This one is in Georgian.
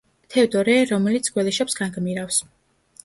თევდორე, რომელიც გველეშაპს განგმირავს.